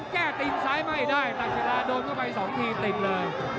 แก้ตินซ้ายมาอีกได้ตักศิราโดนเข้าไป๒ทีตินเลย